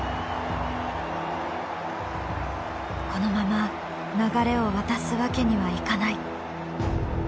このまま流れを渡すわけにはいかない。